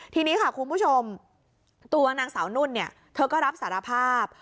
ทีนี้ค่ะคุณผู้ชมตัวนางสาวนุ่นเนี่ยเธอก็รับสารภาพ